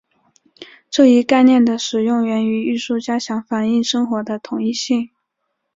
这一概念的使用源于艺术家想反映生活的统一性。